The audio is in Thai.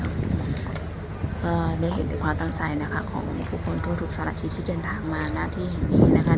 ในเหตุความตั้งใจนะคะของทุกคนทุกสาระทิศที่เดินทางมาและที่นี่นะคะ